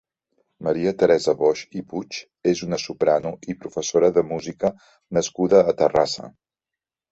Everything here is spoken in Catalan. Maria Teresa Boix i Puig és una soprano i professora de música nascuda a Terrassa.